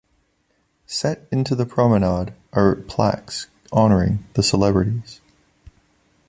Set into the promenade are plaques honouring the celebrities.